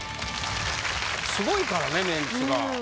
すごいからねメンツが。